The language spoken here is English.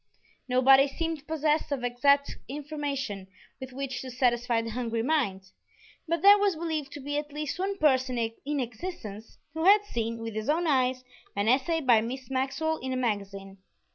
Nobody seemed possessed of exact information with which to satisfy the hungry mind, but there was believed to be at least one person in existence who had seen, with his own eyes, an essay by Miss Maxwell in a magazine.